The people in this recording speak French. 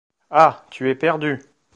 Ah ! tu es perdue.